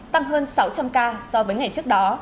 tăng hơn sáu trăm linh ca so với ngày trước đó